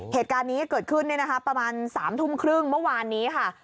เหตุการณ์นี้เกิดขึ้นประมาณ๓ทุ่มครึ่งเมื่อวานนี้ค่ะ